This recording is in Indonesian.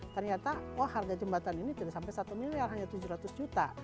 ternyata oh harga jembatan ini tidak sampai satu miliar hanya tujuh ratus juta